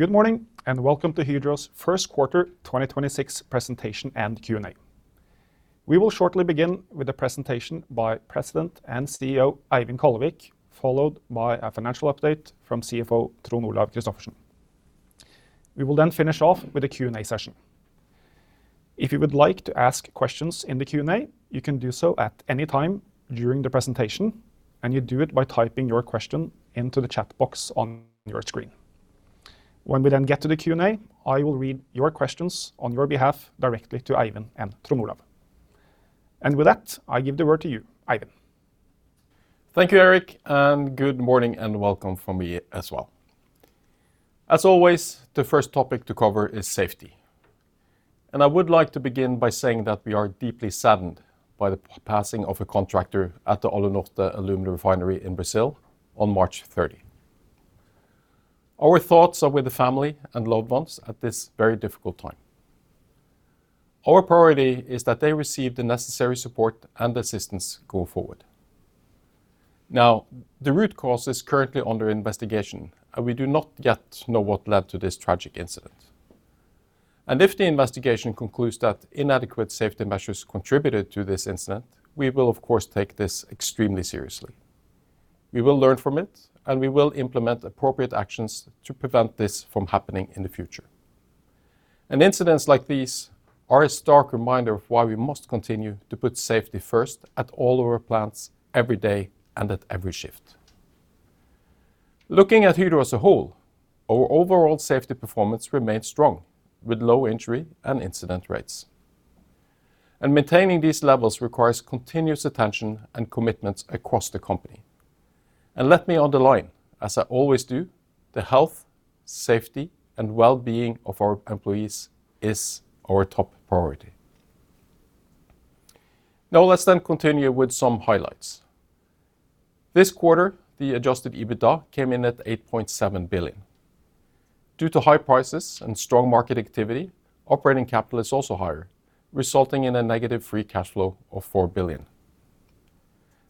Good morning, and welcome to Hydro's first quarter 2026 presentation and Q&A. We will shortly begin with a presentation by President and CEO Eivind Kallevik, followed by a financial update from CFO Trond Olaf Christophersen. We will then finish off with a Q&A session. If you would like to ask questions in the Q&A, you can do so at any time during the presentation, you do it by typing your question into the chat box on your screen. When we then get to the Q&A, I will read your questions on your behalf directly to Eivind and Trond Olaf. With that, I give the word to you, Eivind. Thank you, Erik. Good morning and welcome from me as well. As always, the first topic to cover is safety. I would like to begin by saying that we are deeply saddened by the passing of a contractor at the Alunorte alumina refinery in Brazil on March 30. Our thoughts are with the family and loved ones at this very difficult time. Our priority is that they receive the necessary support and assistance going forward. The root cause is currently under investigation. We do not yet know what led to this tragic incident. If the investigation concludes that inadequate safety measures contributed to this incident, we will of course take this extremely seriously. We will learn from it. We will implement appropriate actions to prevent this from happening in the future. Incidents like these are a stark reminder of why we must continue to put safety first at all our plants every day and at every shift. Looking at Hydro as a whole, our overall safety performance remains strong, with low injury and incident rates. Maintaining these levels requires continuous attention and commitments across the company. Let me underline, as I always do, the health, safety, and well-being of our employees is our top priority. Let's continue with some highlights. This quarter, the Adjusted EBITDA came in at 8.7 billion. Due to high prices and strong market activity, operating capital is also higher, resulting in a negative free cash flow of four billion.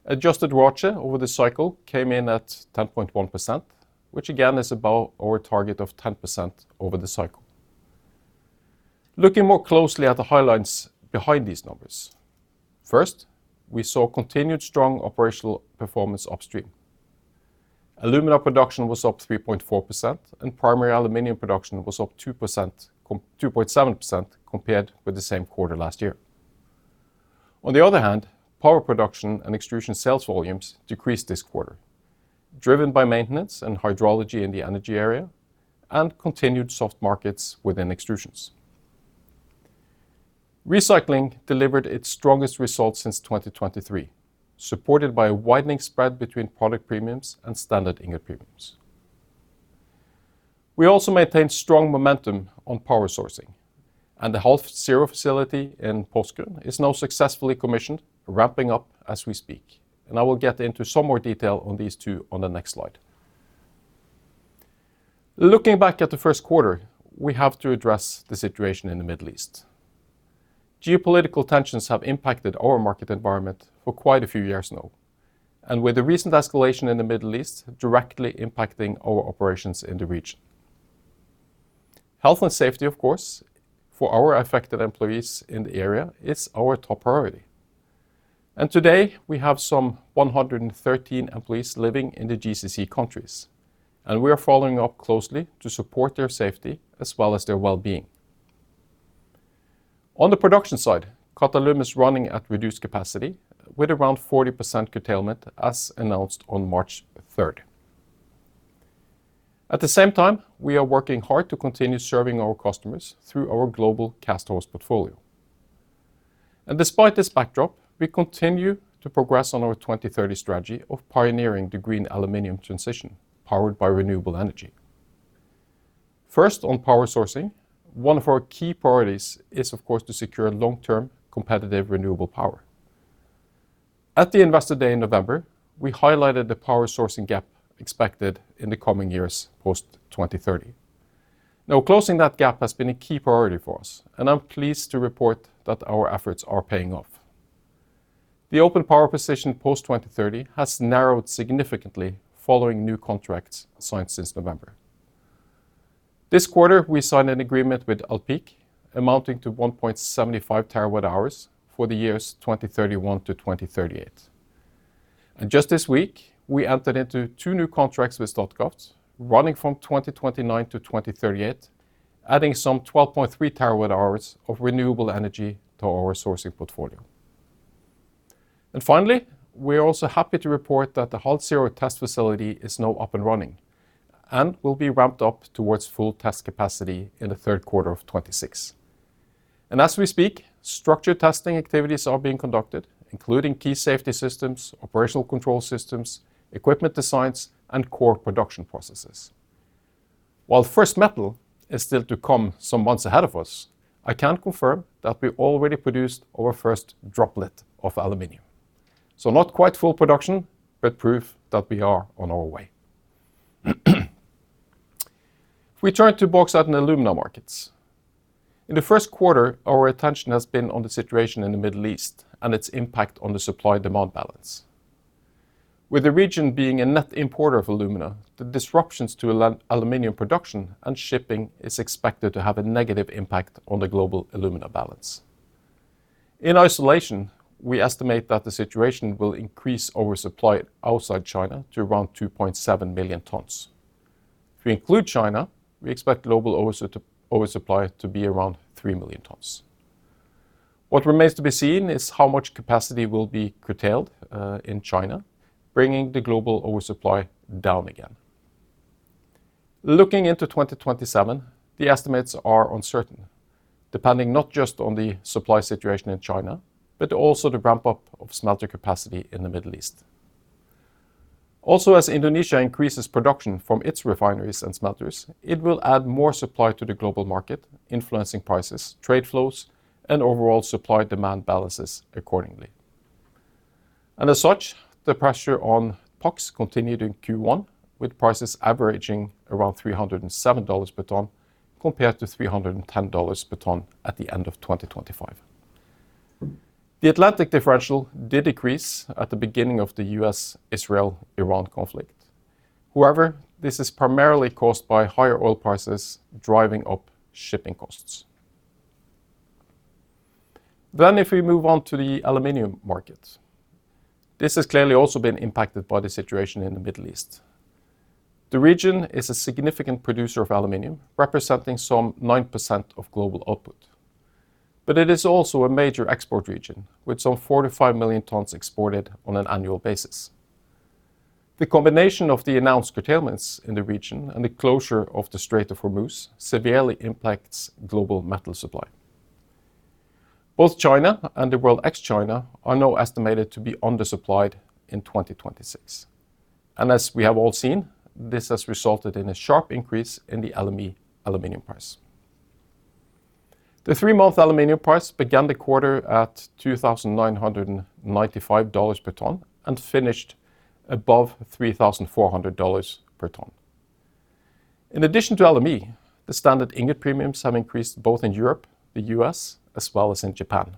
Adjusted ROACE over the cycle came in at 10.1%, which again is above our target of 10% over the cycle. Looking more closely at the highlights behind these numbers, first, we saw continued strong operational performance upstream. Alumina production was up 3.4%, and primary aluminum production was up 2.7% compared with the same quarter last year. On the other hand, power production and extrusion sales volumes decreased this quarter, driven by maintenance and hydrology in the energy area and continued soft markets within extrusions. Recycling delivered its strongest results since 2023, supported by a widening spread between product premiums and standard ingot premiums. We also maintained strong momentum on power sourcing, and the HalZero facility in Porsgrunn is now successfully commissioned, ramping up as we speak. I will get into some more detail on these two on the next slide. Looking back at the first quarter, we have to address the situation in the Middle East. Geopolitical tensions have impacted our market environment for quite a few years now, and with the recent escalation in the Middle East directly impacting our operations in the region. Health and safety, of course, for our affected employees in the area is our top priority. Today, we have some 113 employees living in the GCC countries, and we are following up closely to support their safety as well as their well-being. On the production side, Qatalum is running at reduced capacity with around 40% curtailment as announced on March third. At the same time, we are working hard to continue serving our customers through our global cast house portfolio. Despite this backdrop, we continue to progress on our 2030 strategy of pioneering the green aluminum transition powered by renewable energy. First, on power sourcing, one of our key priorities is, of course, to secure long-term competitive renewable power. At the Investor Day in November, we highlighted the power sourcing gap expected in the coming years post 2030. Closing that gap has been a key priority for us, and I'm pleased to report that our efforts are paying off. The open power position post 2030 has narrowed significantly following new contracts signed since November. This quarter, we signed an agreement with Alpiq amounting to 1.75 terawatt-hours for the years 2031-2038. Just this week, we entered into two new contracts with Statkraft running from 2029-2038, adding some 12.3 terawatt-hours of renewable energy to our sourcing portfolio. Finally, we are also happy to report that the HalZero test facility is now up and running and will be ramped up towards full test capacity in the third quarter of 2026. As we speak, structure testing activities are being conducted, including key safety systems, operational control systems, equipment designs, and core production processes. While first metal is still to come some months ahead of us, I can confirm that we already produced our first droplet of aluminum. Not quite full production, but proof that we are on our way. If we turn to bauxite and alumina markets, in the first quarter, our attention has been on the situation in the Middle East and its impact on the supply and demand balance. With the region being a net importer of alumina, the disruptions to aluminum production and shipping is expected to have a negative impact on the global alumina balance. In isolation, we estimate that the situation will increase oversupply outside China to around 2.7 million tons. If we include China, we expect global oversupply to be around three million tons. What remains to be seen is how much capacity will be curtailed in China, bringing the global oversupply down again. Looking into 2027, the estimates are uncertain, depending not just on the supply situation in China, but also the ramp up of smelter capacity in the Middle East. As Indonesia increases production from its refineries and smelters, it will add more supply to the global market, influencing prices, trade flows, and overall supply-demand balances accordingly. The pressure on PAX continued in Q1, with prices averaging around $307 per ton, compared to $310 per ton at the end of 2025. The Atlantic differential did decrease at the beginning of the U.S.-Israel-Iran conflict. This is primarily caused by higher oil prices driving up shipping costs. If we move on to the aluminum market, this has clearly also been impacted by the situation in the Middle East. The region is a significant producer of aluminum, representing some 9% of global output. It is also a major export region, with some 45 million tons exported on an annual basis. The combination of the announced curtailments in the region and the closure of the Strait of Hormuz severely impacts global metal supply. Both China and the World Ex China are now estimated to be undersupplied in 2026. As we have all seen, this has resulted in a sharp increase in the LME aluminum price. The three-month aluminum price began the quarter at $2,995 per ton and finished above $3,400 per ton. In addition to LME, the standard ingot premiums have increased both in Europe, the U.S., as well as in Japan.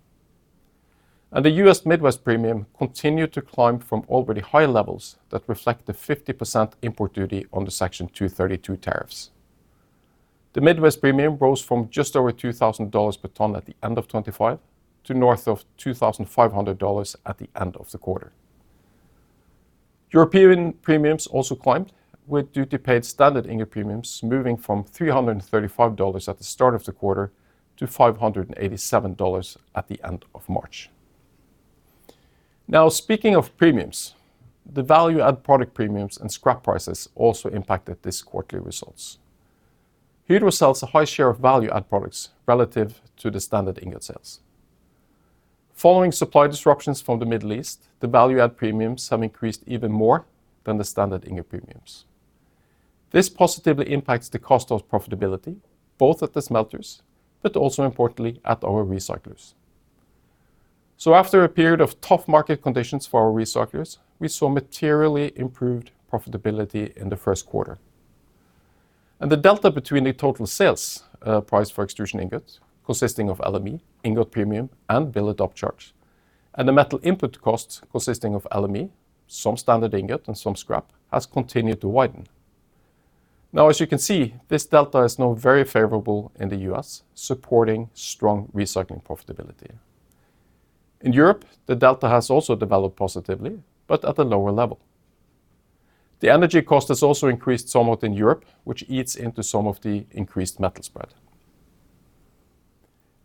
The U.S. Midwest premium continued to climb from already high levels that reflect the 50% import duty on the Section 232 tariffs. The Midwest premium rose from just over $2,000 per ton at the end of 2025 to north of $2,500 at the end of the quarter. European premiums also climbed, with duty-paid standard ingot premiums moving from $335 at the start of the quarter to $587 at the end of March. Speaking of premiums, the value-added product premiums and scrap prices also impacted this quarterly results. Hydro sells a high share of value-added products relative to the standard ingot sales. Following supply disruptions from the Middle East, the value-added premiums have increased even more than the standard ingot premiums. This positively impacts the cost of profitability, both at the smelters, but also importantly at our recyclers. After a period of tough market conditions for our recyclers, we saw materially improved profitability in the first quarter. The delta between the total sales price for extrusion ingots, consisting of LME, ingot premium, and billet upcharge, and the metal input costs consisting of LME, some standard ingot, and some scrap, has continued to widen. As you can see, this delta is now very favorable in the U.S., supporting strong recycling profitability. In Europe, the delta has also developed positively, but at a lower level. The energy cost has also increased somewhat in Europe, which eats into some of the increased metal spread.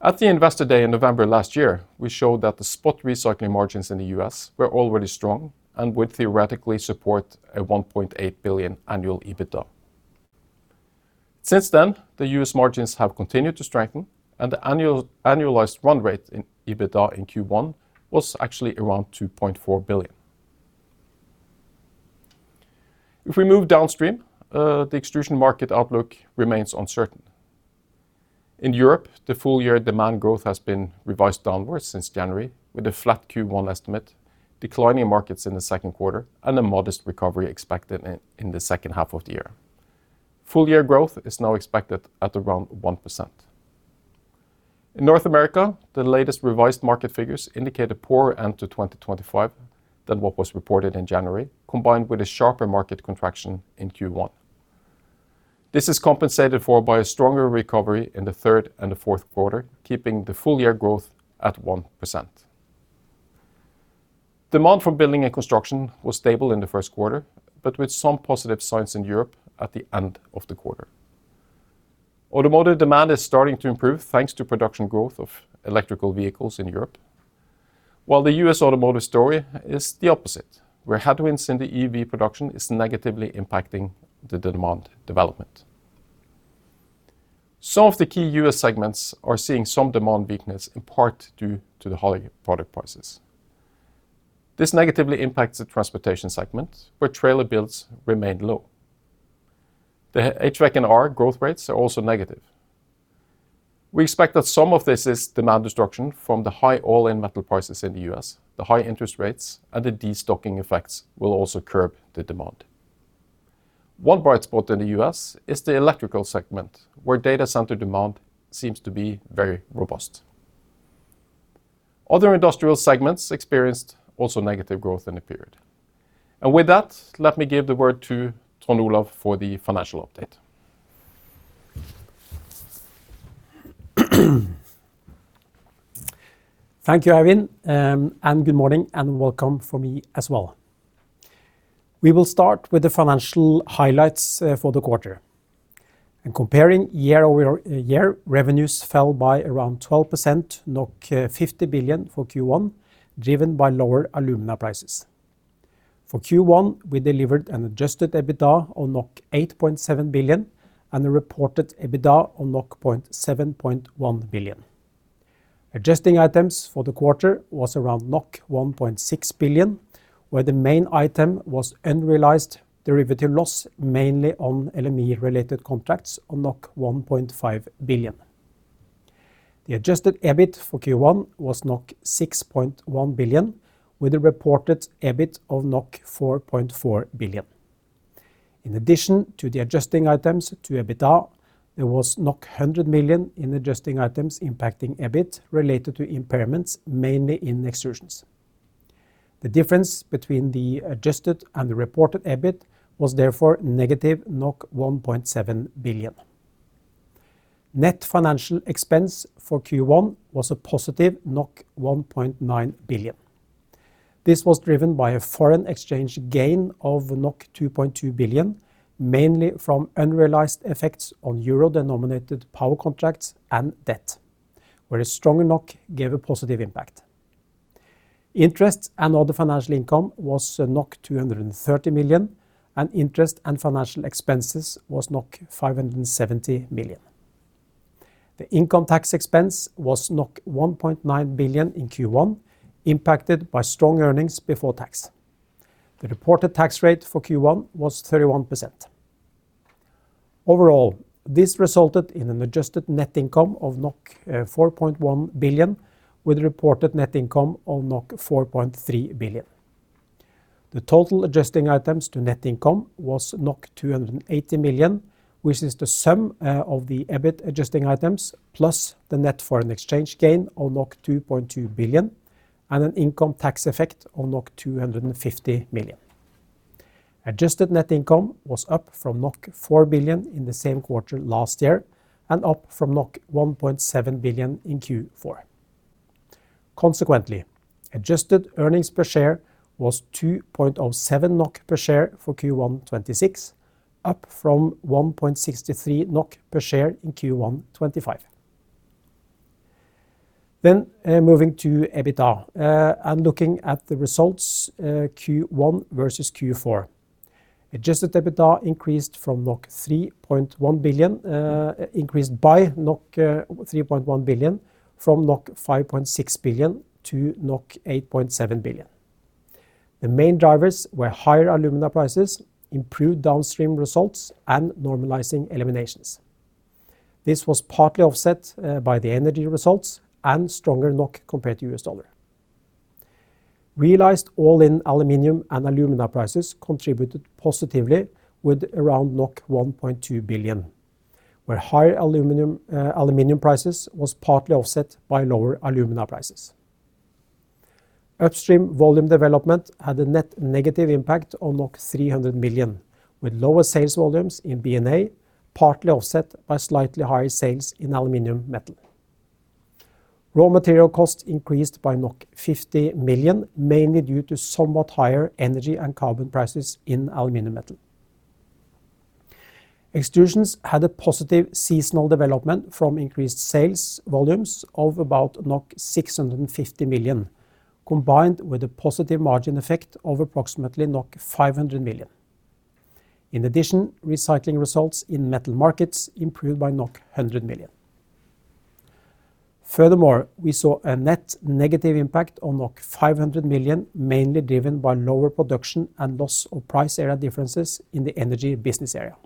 At the Investor Day in November last year, we showed that the spot recycling margins in the U.S. were already strong and would theoretically support a $1.8 billion annual EBITDA. Since then, the U.S. margins have continued to strengthen, and the annualized run rate in EBITDA in Q1 was actually around $2.4 billion. If we move downstream, the extrusion market outlook remains uncertain. In Europe, the full-year demand growth has been revised downwards since January, with a flat Q1 estimate, declining markets in the second quarter, and a modest recovery expected in the second half of the year. Full-year growth is now expected at around 1%. In North America, the latest revised market figures indicate a poorer end to 2025 than what was reported in January, combined with a sharper market contraction in Q1. This is compensated for by a stronger recovery in the third and the fourth quarter, keeping the full-year growth at 1%. Demand for building and construction was stable in the first quarter, with some positive signs in Europe at the end of the quarter. Automotive demand is starting to improve thanks to production growth of electrical vehicles in Europe, while the U.S. automotive story is the opposite, where headwinds in the EV production is negatively impacting the demand development. Some of the key U.S. segments are seeing some demand weakness in part due to the high product prices. This negatively impacts the transportation segment, where trailer builds remained low. The HVAC&R growth rates are also negative. We expect that some of this is demand destruction from the high all-in metal prices in the U.S., the high interest rates, and the destocking effects will also curb the demand. One bright spot in the U.S. is the electrical segment, where data center demand seems to be very robust. Other industrial segments experienced also negative growth in the period. With that, let me give the word to Trond Olaf for the financial update. Thank you, Eivind, good morning, and welcome from me as well. We will start with the financial highlights for the quarter. In comparing year-over-year, revenues fell by around 12%, NOK 50 billion for Q1, driven by lower alumina prices. For Q1, we delivered an Adjusted EBITDA on 8.7 billion and a reported EBITDA on 7.1 billion. Adjusting items for the quarter was around 1.6 billion, where the main item was unrealized derivative loss, mainly on LME-related contracts on 1.5 billion. The Adjusted EBIT for Q1 was 6.1 billion, with a reported EBIT of 4.4 billion. In addition to the adjusting items to EBITDA, there was 100 million in adjusting items impacting EBIT related to impairments, mainly in Extrusions. The difference between the adjusted and the reported EBIT was therefore negative 1.7 billion. Net financial expense for Q1 was a positive 1.9 billion. This was driven by a foreign exchange gain of 2.2 billion, mainly from unrealized effects on euro-denominated power contracts and debt, where a stronger NOK gave a positive impact. Interest and other financial income was 230 million, and interest and financial expenses was 570 million. The income tax expense was 1.9 billion in Q1, impacted by strong earnings before tax. The reported tax rate for Q1 was 31%. Overall, this resulted in an adjusted net income of 4.1 billion, with reported net income of 4.3 billion. The total adjusting items to net income was 280 million, which is the sum of the EBIT adjusting items, plus the net foreign exchange gain of 2.2 billion and an income tax effect of 250 million. Adjusted net income was up from 4 billion in the same quarter last year and up from 1.7 billion in Q4. Adjusted earnings per share was 2.07 NOK per share for Q1 2026, up from 1.63 NOK per share in Q1 2025. Moving to EBITDA and looking at the results, Q1 versus Q4. Adjusted EBITDA increased by 3.1 billion, from 5.6 billion to 8.7 billion. The main drivers were higher alumina prices, improved downstream results, and normalizing eliminations. This was partly offset by the energy results and stronger NOK compared to U.S. dollar. Realized all-in aluminum and alumina prices contributed positively with around 1.2 billion, where higher aluminum prices was partly offset by lower alumina prices. Upstream volume development had a net negative impact on 300 million, with lower sales volumes in B&A, partly offset by slightly higher sales in aluminum metal. Raw material costs increased by 50 million, mainly due to somewhat higher energy and carbon prices in aluminum metal. Extrusions had a positive seasonal development from increased sales volumes of about 650 million, combined with a positive margin effect of approximately 500 million. In addition, recycling results in metal markets improved by 100 million. Furthermore, we saw a net negative impact on 500 million, mainly driven by lower production and loss of price area differences in the energy business area.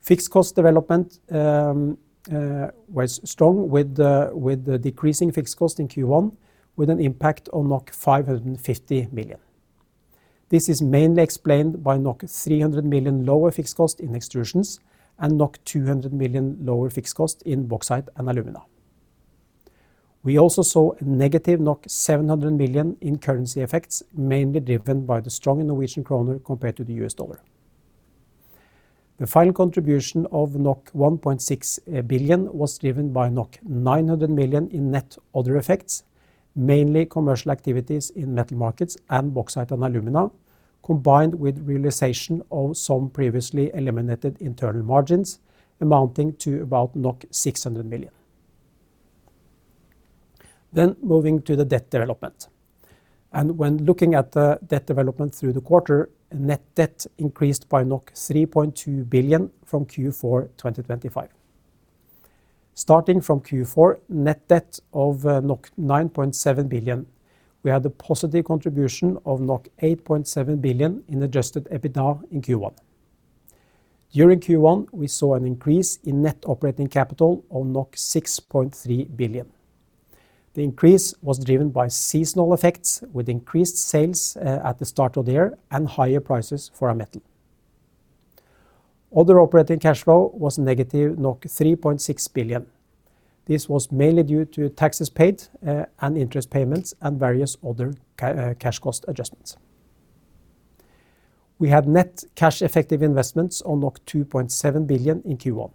Fixed cost development was strong with the decreasing fixed cost in Q1, with an impact on 550 million. This is mainly explained by 300 million lower fixed cost in Extrusions and 200 million lower fixed cost in Bauxite & Alumina. We also saw a negative 700 million in currency effects, mainly driven by the strong Norwegian krone compared to the U.S. dollar. The final contribution of 1.6 billion was driven by 900 million in net other effects, mainly commercial activities in metal markets and Bauxite & Alumina, combined with realization of some previously eliminated internal margins amounting to about 600 million. Moving to the debt development. When looking at the debt development through the quarter, net debt increased by 3.2 billion from Q4 2025. Starting from Q4 net debt of 9.7 billion, we had a positive contribution of 8.7 billion in Adjusted EBITDA in Q1. During Q1, we saw an increase in net operating capital of 6.3 billion. The increase was driven by seasonal effects, with increased sales at the start of the year and higher prices for our metal. Other operating cash flow was negative 3.6 billion. This was mainly due to taxes paid and interest payments and various other cash cost adjustments. We had net cash effective investments on 2.7 billion in Q1.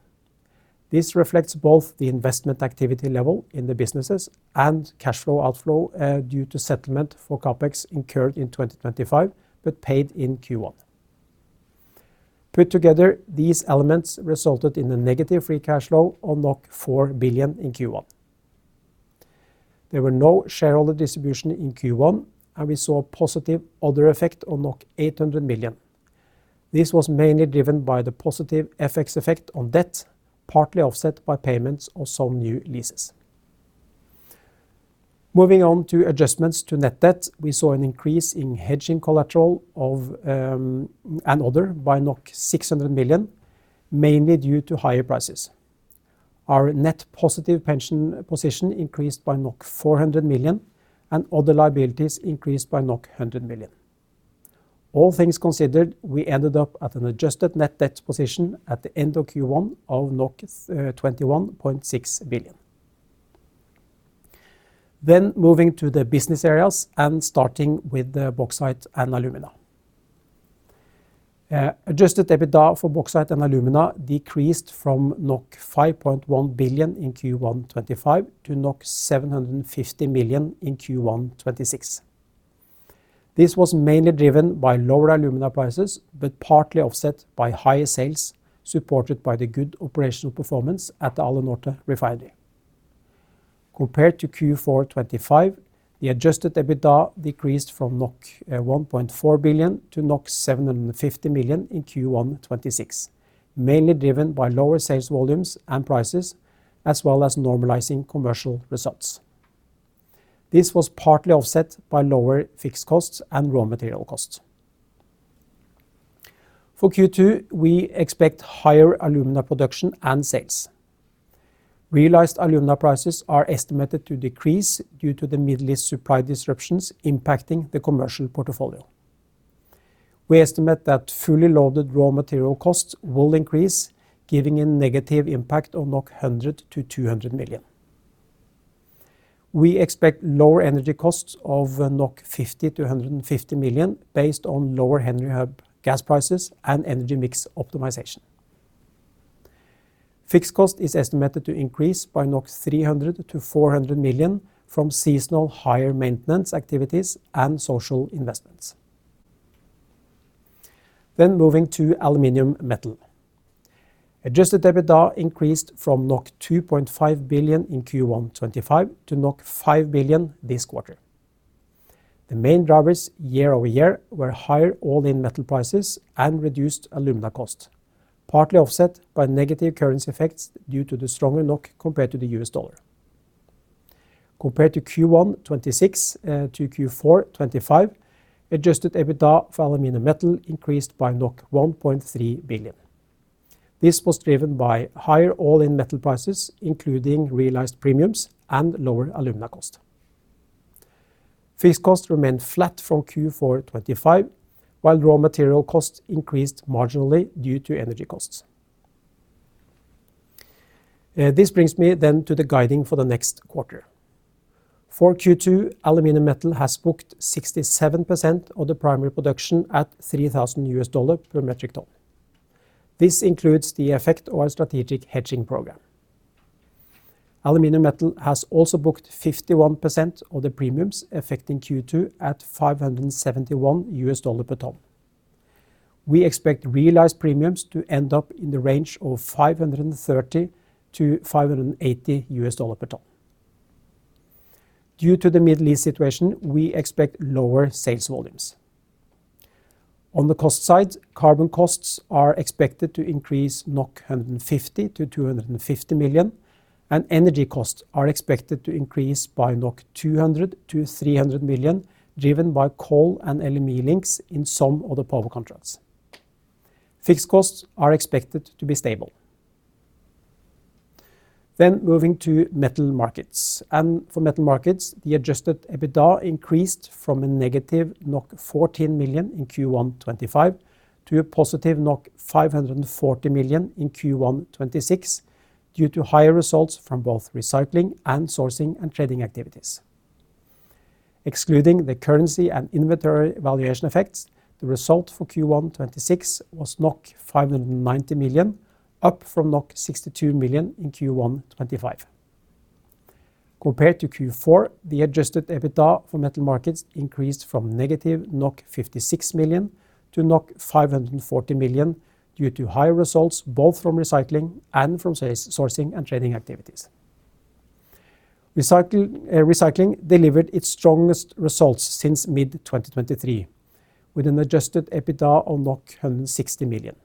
This reflects both the investment activity level in the businesses and cash flow outflow due to settlement for CapEx incurred in 2025, but paid in Q1. Put together, these elements resulted in a negative free cash flow of NOK 4 billion in Q1. There were no shareholder distribution in Q1, and we saw a positive other effect on 800 million. This was mainly driven by the positive FX effect on debt, partly offset by payments of some new leases. Moving on to adjustments to net debt, we saw an increase in hedging collateral of and other by 600 million, mainly due to higher prices. Our net positive pension position increased by 400 million, and other liabilities increased by 100 million. All things considered, we ended up at an adjusted net debt position at the end of Q1 of 21.6 billion. Moving to the business areas and starting with the bauxite and alumina. Adjusted EBITDA for bauxite and alumina decreased from 5.1 billion in Q1 2025 to 750 million in Q1 2026. This was mainly driven by lower alumina prices, but partly offset by higher sales, supported by the good operational performance at the Alunorte refinery. Compared to Q4 2025, the Adjusted EBITDA decreased from 1.4 billion to 750 million in Q1 2026, mainly driven by lower sales volumes and prices, as well as normalizing commercial results. This was partly offset by lower fixed costs and raw material costs. For Q2, we expect higher alumina production and sales. Realized alumina prices are estimated to decrease due to the Middle East supply disruptions impacting the commercial portfolio. We estimate that fully loaded raw material costs will increase, giving a negative impact of 100-200 million. We expect lower energy costs of 50-150 million based on lower Henry Hub gas prices and energy mix optimization. Fixed cost is estimated to increase by 300-400 million from seasonal higher maintenance activities and social investments. Moving to aluminum metal. Adjusted EBITDA increased from 2.5 billion in Q1 2025 to five billion this quarter. The main drivers year-over-year were higher all-in metal prices and reduced alumina cost, partly offset by negative currency effects due to the stronger NOK compared to the US dollar. Compared to Q1 2026 to Q4 2025, Adjusted EBITDA for aluminum metal increased by 1.3 billion. This was driven by higher all-in metal prices, including realized premiums and lower alumina cost. Fixed costs remained flat from Q4 2025, while raw material costs increased marginally due to energy costs. This brings me then to the guiding for the next quarter. For Q2, aluminum metal has booked 67% of the primary production at $3,000 per metric ton. This includes the effect of our strategic hedging program. Aluminum metal has also booked 51% of the premiums affecting Q2 at $571 per ton. We expect realized premiums to end up in the range of $530-$580 per ton. Due to the Middle East situation, we expect lower sales volumes. On the cost side, carbon costs are expected to increase 150 million-250 million, and energy costs are expected to increase by 200 million-300 million, driven by coal and LME links in some of the power contracts. Fixed costs are expected to be stable. Moving to metal markets. For metal markets, the Adjusted EBITDA increased from a negative 14 million in Q1 2025 to a positive 540 million in Q1 2026 due to higher results from both recycling and sourcing and trading activities. Excluding the currency and inventory valuation effects, the result for Q1 2026 was 590 million, up from 62 million in Q1 2025. Compared to Q4, the Adjusted EBITDA for metal markets increased from negative 56 million to 540 million due to higher results both from recycling and from sourcing and trading activities. Recycling delivered its strongest results since mid 2023, with an Adjusted EBITDA of 160 million.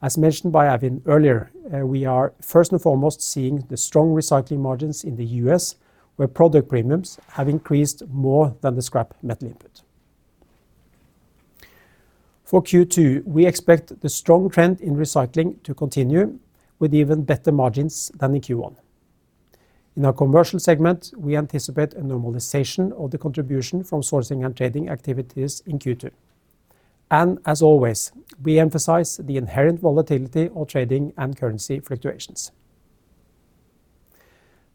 As mentioned by Eivind earlier, we are first and foremost seeing the strong recycling margins in the U.S., where product premiums have increased more than the scrap metal input. For Q2, we expect the strong trend in recycling to continue with even better margins than in Q1. In our commercial segment, we anticipate a normalization of the contribution from sourcing and trading activities in Q2. As always, we emphasize the inherent volatility of trading and currency fluctuations.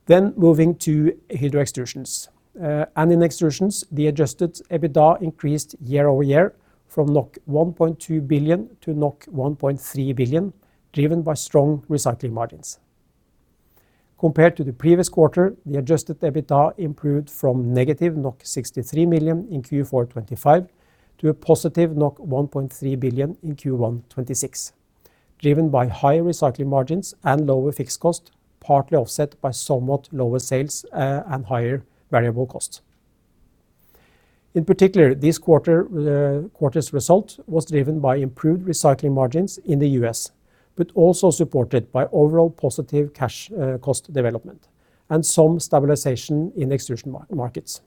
Moving to Hydro Extrusions. In Extrusions, the Adjusted EBITDA increased year-over-year from 1.2 billion to 1.3 billion, driven by strong recycling margins. Compared to the previous quarter, the Adjusted EBITDA improved from negative 63 million in Q4 2025 to a positive 1.3 billion in Q1 2026, driven by higher recycling margins and lower fixed cost, partly offset by somewhat lower sales and higher variable costs. In particular, this quarter's result was driven by improved recycling margins in the U.S., but also supported by overall positive cash cost development and some stabilization in extrusion markets.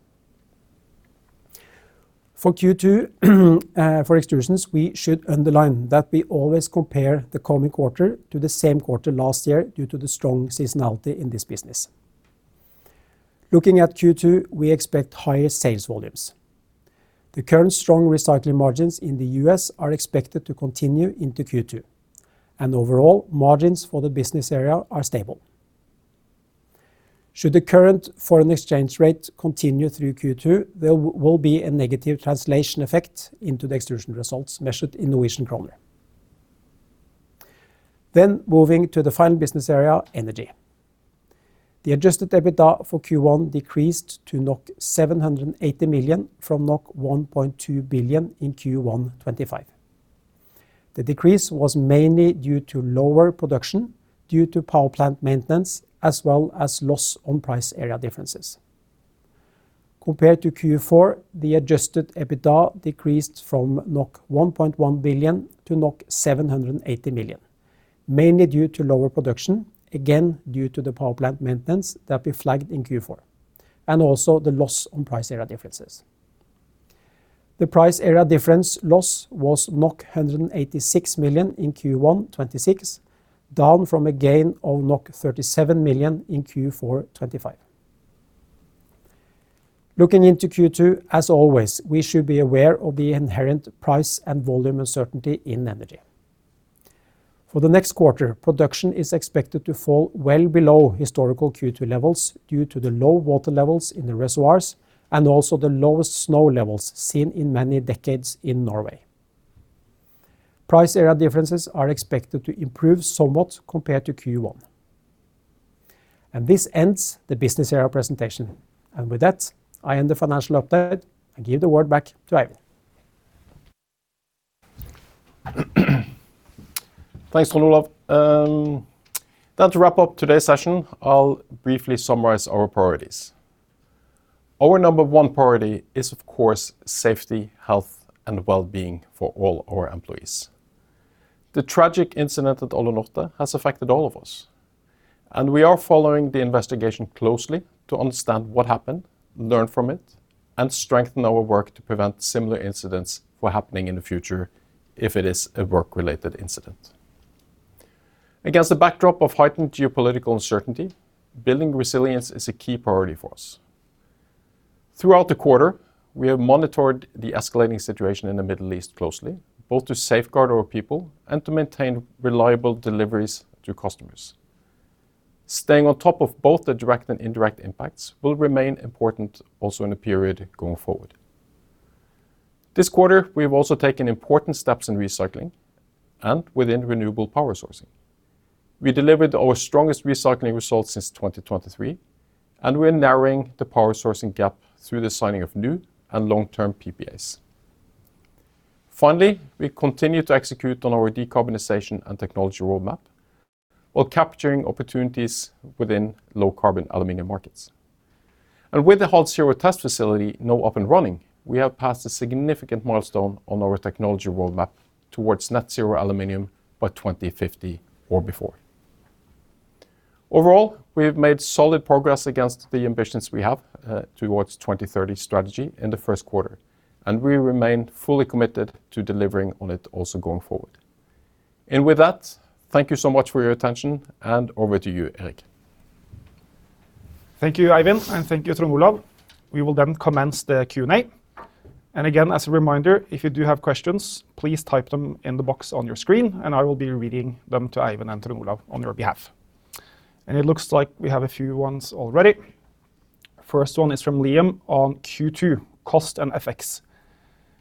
For Q2, for Hydro Extrusions, we should underline that we always compare the coming quarter to the same quarter last year due to the strong seasonality in this business. Looking at Q2, we expect higher sales volumes. The current strong recycling margins in the U.S. are expected to continue into Q2, and overall margins for the business area are stable. Should the current foreign exchange rate continue through Q2, there will be a negative translation effect into the extrusion results measured in Norwegian kroner. Moving to the final business area, Energy. The Adjusted EBITDA for Q1 decreased to 780 million from 1.2 billion in Q1 2025. The decrease was mainly due to lower production due to power plant maintenance as well as loss on price area differences. Compared to Q4, the adjusted EBITDA decreased from 1.1 billion to 780 million, mainly due to lower production, again due to the power plant maintenance that we flagged in Q4, and also the loss on price area differences. The price area difference loss was 186 million in Q1 2026, down from a gain of 37 million in Q4 2025. Looking into Q2, as always, we should be aware of the inherent price and volume uncertainty in energy. For the next quarter, production is expected to fall well below historical Q2 levels due to the low water levels in the reservoirs and also the lowest snow levels seen in many decades in Norway. Price area differences are expected to improve somewhat compared to Q1. This ends the business area presentation. With that, I end the financial update and give the word back to Eivind. Thanks, Trond Olaf. To wrap up today's session, I'll briefly summarize our priorities. Our number one priority is, of course, safety, health, and wellbeing for all our employees. The tragic incident at Alunorte has affected all of us. We are following the investigation closely to understand what happened, learn from it, and strengthen our work to prevent similar incidents from happening in the future if it is a work-related incident. Against the backdrop of heightened geopolitical uncertainty, building resilience is a key priority for us. Throughout the quarter, we have monitored the escalating situation in the Middle East closely, both to safeguard our people and to maintain reliable deliveries to customers. Staying on top of both the direct and indirect impacts will remain important also in the period going forward. This quarter, we have also taken important steps in recycling and within renewable power sourcing. We delivered our strongest recycling results since 2023, and we're narrowing the power sourcing gap through the signing of new and long-term PPAs. Finally, we continue to execute on our decarbonization and technology roadmap while capturing opportunities within low-carbon aluminum markets. With the HalZero test facility now up and running, we have passed a significant milestone on our technology roadmap towards net zero aluminum by 2050 or before. Overall, we have made solid progress against the ambitions we have towards 2030 strategy in the first quarter, and we remain fully committed to delivering on it also going forward. With that, thank you so much for your attention, and over to you, Erik. Thank you, Eivind, and thank you, Trond Olaf. We will commence the Q&A. Again, as a reminder, if you do have questions, please type them in the box on your screen, and I will be reading them to Eivind and Trond Olaf on your behalf. It looks like we have a few ones already. First one is from Liam on Q2 cost and FX.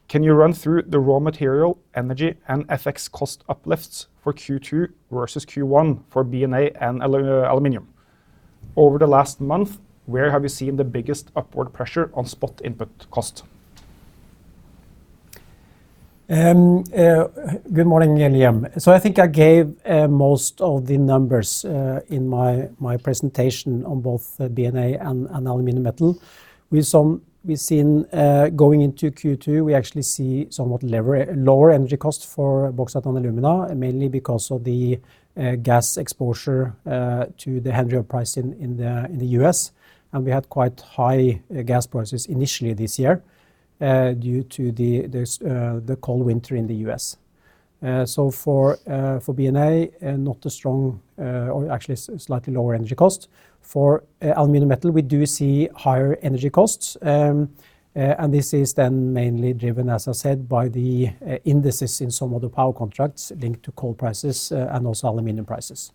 Can you run through the raw material, energy, and FX cost uplifts for Q2 versus Q1 for BNA and aluminum? Over the last month, where have you seen the biggest upward pressure on spot input cost? Good morning, Liam. I think I gave most of the numbers in my presentation on both BNA and aluminum metal. We saw We've seen, going into Q2, we actually see somewhat lower energy costs for bauxite and alumina, mainly because of the gas exposure to the Henry Hub price in the U.S., and we had quite high gas prices initially this year. Due to this, the cold winter in the U.S. For B&A, not a strong, or actually slightly lower energy cost. For aluminum metal, we do see higher energy costs. This is then mainly driven, as I said, by the indices in some of the power contracts linked to coal prices, and also aluminum prices.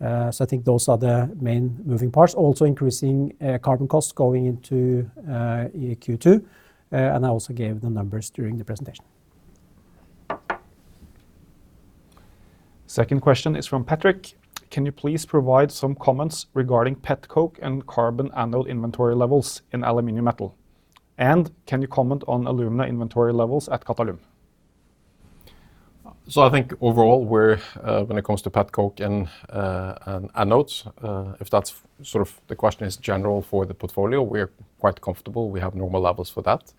I think those are the main moving parts. Also increasing carbon costs going into Q2, and I also gave the numbers during the presentation. Second question is from Patrick: Can you please provide some comments regarding petcoke and carbon annual inventory levels in aluminum metal? Can you comment on alumina inventory levels at Qatalum? I think overall we're when it comes to petcoke and anodes, if that's sort of the question is general for the portfolio, we're quite comfortable. We have normal levels for that.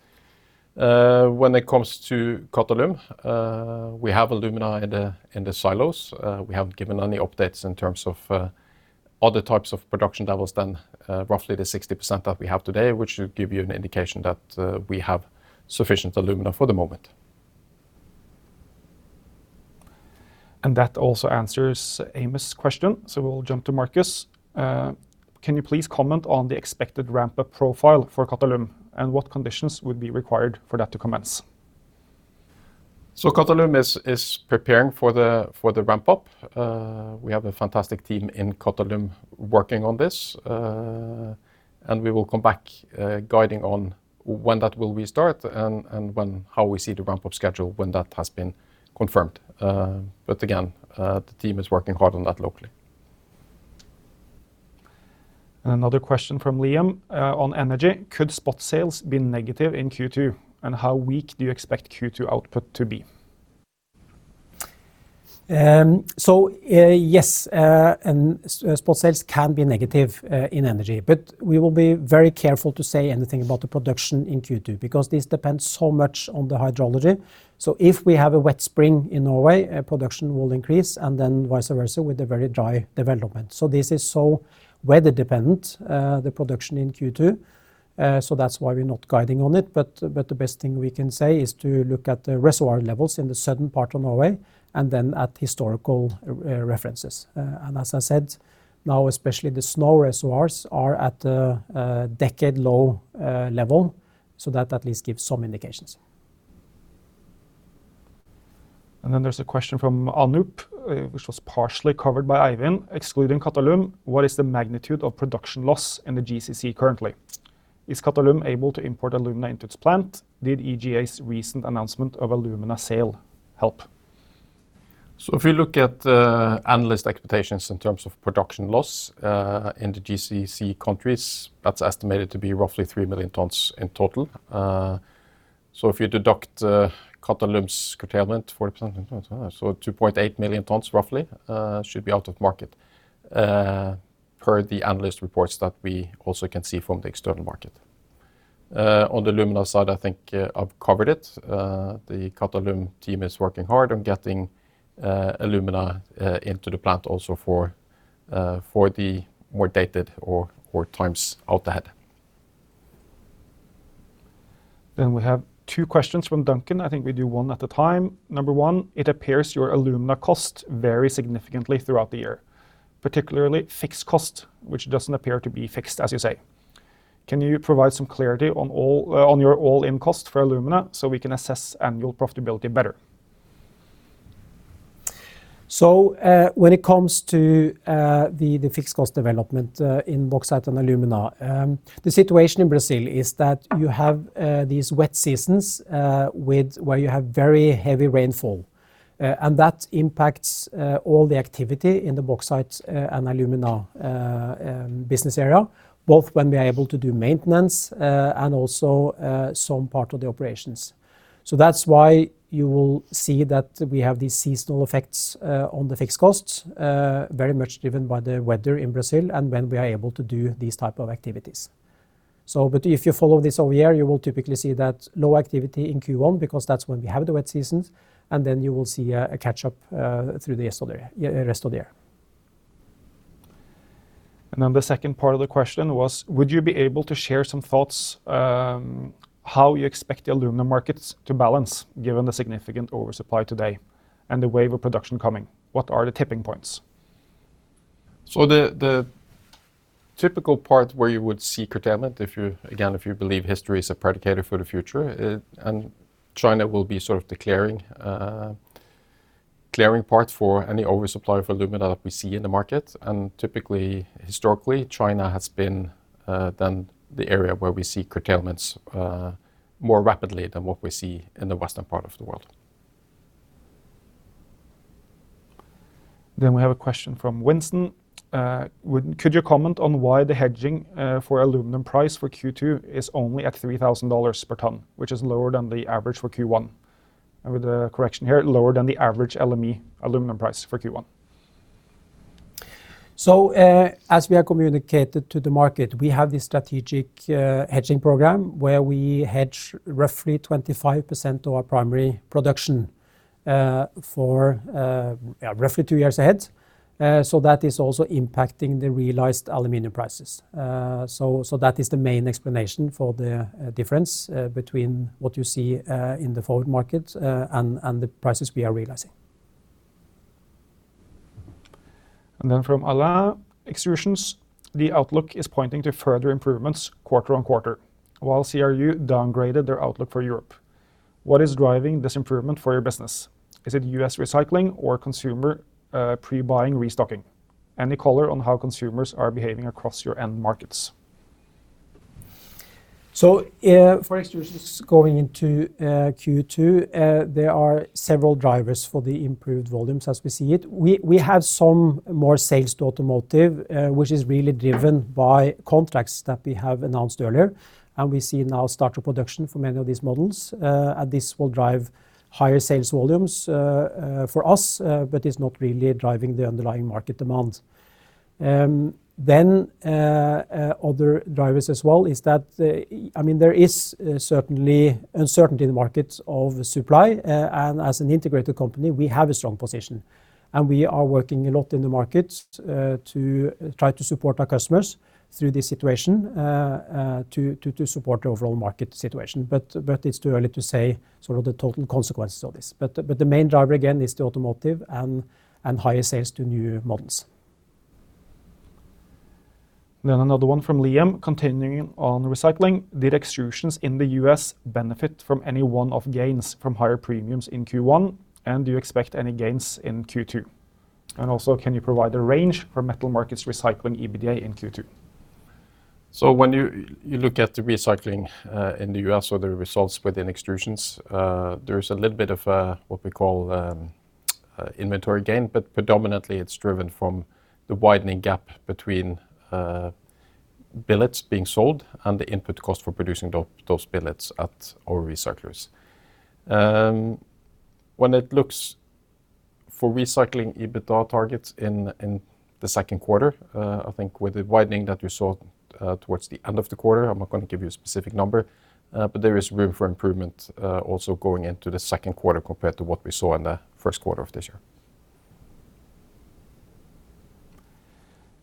When it comes to Qatalum, we have alumina in the silos. We haven't given any updates in terms of other types of production levels than roughly the 60% that we have today, which should give you an indication that we have sufficient alumina for the moment. That also answers Amos' question, so we'll jump to Marcus. Can you please comment on the expected ramp-up profile for Qatalum, and what conditions would be required for that to commence? Qatalum is preparing for the ramp-up. We have a fantastic team in Qatalum working on this. We will come back guiding on when that will restart and when, how we see the ramp-up schedule when that has been confirmed. Again, the team is working hard on that locally. Another question from Liam, on energy: Could spot sales be negative in Q2, and how weak do you expect Q2 output to be? Spot sales can be negative in energy, but we will be very careful to say anything about the production in Q2 because this depends so much on the hydrology. If we have a wet spring in Norway, production will increase and then vice versa with the very dry development. This is so weather dependent, the production in Q2, that's why we're not guiding on it. But the best thing we can say is to look at the reservoir levels in the southern part of Norway and then at historical references. As I said, now especially the snow reservoirs are at a decade low level, that at least gives some indications. Then there's a question from Anup, which was partially covered by Eivind: Excluding Qatalum, what is the magnitude of production loss in the GCC currently? Is Qatalum able to import alumina into its plant? Did EGA's recent announcement of alumina sale help? If you look at analyst expectations in terms of production loss in the GCC countries, that's estimated to be roughly three million tons in total. If you deduct Qatalum's curtailment, 40%, 2.8 million tons roughly should be out of market per the analyst reports that we also can see from the external market. On the alumina side, I think I've covered it. The Qatalum team is working hard on getting alumina into the plant also for the more dated or times out ahead. We have two questions from Duncan. I think we do one at a time. Number one: It appears your alumina cost varies significantly throughout the year, particularly fixed cost, which doesn't appear to be fixed, as you say. Can you provide some clarity on all, on your all-in cost for alumina so we can assess annual profitability better? When it comes to the fixed cost development in bauxite and alumina, the situation in Brazil is that you have these wet seasons, where you have very heavy rainfall. That impacts all the activity in the Bauxite & Alumina business area, both when we are able to do maintenance and also some part of the operations. That's why you will see that we have these seasonal effects on the fixed costs, very much driven by the weather in Brazil and when we are able to do these type of activities. If you follow this over here, you will typically see that low activity in Q1 because that's when we have the wet seasons, and then you will see a catch-up through the rest of the year. The second part of the question was: Would you be able to share some thoughts, how you expect the alumina markets to balance given the significant oversupply today and the wave of production coming? What are the tipping points? The typical part where you would see curtailment if you, again, if you believe history is a predictor for the future, and China will be sort of the clearing part for any oversupply for alumina that we see in the market. Typically, historically, China has been then the area where we see curtailments more rapidly than what we see in the western part of the world. We have a question from Winston. Could you comment on why the hedging for aluminum price for Q2 is only at $3,000 per ton, which is lower than the average for Q1? With a correction here, lower than the average LME aluminum price for Q1. As we have communicated to the market, we have this strategic hedging program where we hedge roughly 25% of our primary production. For roughly two years ahead. That is also impacting the realized aluminum prices. That is the main explanation for the difference between what you see in the forward market and the prices we are realizing. From Alain, Extrusions, the outlook is pointing to further improvements quarter on quarter, while CRU downgraded their outlook for Europe. What is driving this improvement for your business? Is it U.S. recycling or consumer pre-buying restocking? Any color on how consumers are behaving across your end markets? For Extrusions going into Q2, there are several drivers for the improved volumes as we see it. We have some more sales to automotive, which is really driven by contracts that we have announced earlier, and we see now start of production for many of these models. This will drive higher sales volumes for us, but it's not really driving the underlying market demand. Other drivers as well is that, I mean, there is certainly uncertainty in the markets of supply. As an integrated company, we have a strong position, and we are working a lot in the markets to try to support our customers through this situation to support the overall market situation. It's too early to say sort of the total consequences of this. The main driver again is the automotive and higher sales to new models. Another one from Liam, continuing on recycling. Did Extrusions in the U.S. benefit from any one-off gains from higher premiums in Q1, and do you expect any gains in Q2? Also, can you provide a range for metal markets recycling EBITDA in Q2? When you look at the recycling in the U.S. or the results within Extrusions, there's a little bit of what we call inventory gain. Predominantly, it's driven from the widening gap between billets being sold and the input cost for producing those billets at our recyclers. When it looks for recycling EBITDA targets in the second quarter, I think with the widening that we saw towards the end of the quarter, I'm not gonna give you a specific number, but there is room for improvement, also going into the second quarter compared to what we saw in the first quarter of this year.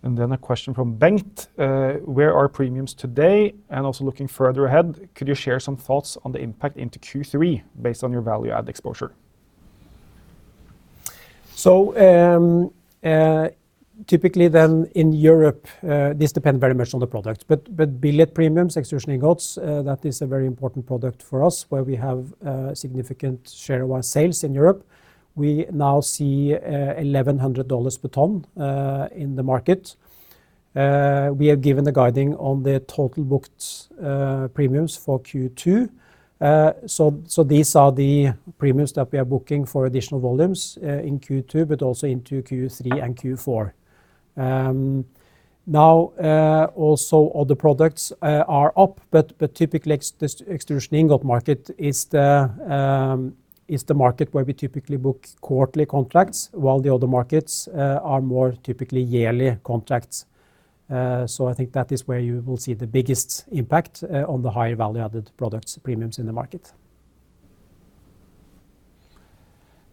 A question from Bengt. Where are premiums today? Looking further ahead, could you share some thoughts on the impact into Q3 based on your value add exposure? Typically in Europe, this depends very much on the product. Billet premiums, extrusion ingots, that is a very important product for us, where we have a significant share of our sales in Europe. We now see $1,100 per ton in the market. We have given the guiding on the total booked premiums for Q2. These are the premiums that we are booking for additional volumes in Q2, but also into Q3 and Q4. Now, also other products are up, but typically the extrusion ingot market is the market where we typically book quarterly contracts, while the other markets are more typically yearly contracts. I think that is where you will see the biggest impact on the higher value-added products premiums in the market.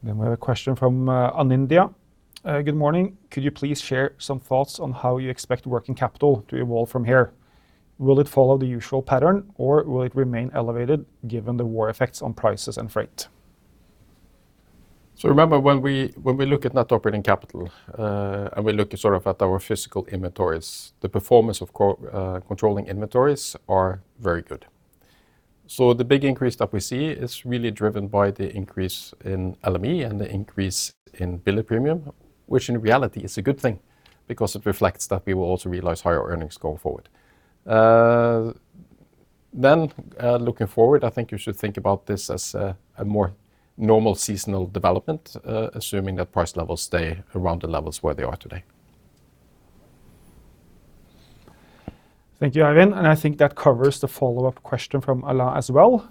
We have a question from Anindya. Good morning. Could you please share some thoughts on how you expect working capital to evolve from here? Will it follow the usual pattern, or will it remain elevated given the war effects on prices and freight? Remember when we look at net operating capital, and we look sort of at our physical inventories, the performance of controlling inventories are very good. The big increase that we see is really driven by the increase in LME and the increase in billet premium, which in reality is a good thing because it reflects that we will also realize higher earnings going forward. Then, looking forward, I think you should think about this as a more normal seasonal development, assuming that price levels stay around the levels where they are today. Thank you, Eivind, and I think that covers the follow-up question from Alain as well,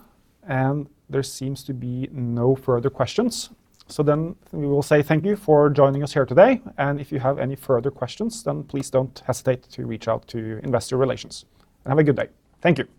and there seems to be no further questions. We will say thank you for joining us here today. If you have any further questions, then please don't hesitate to reach out to Investor Relations. Have a good day. Thank you.